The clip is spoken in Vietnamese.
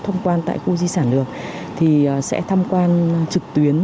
thông quan tại khu di sản đường thì sẽ tham quan trực tuyến